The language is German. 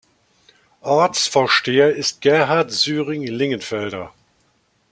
Ortsvorsteher ist Gerhard Syring-Lingenfelder.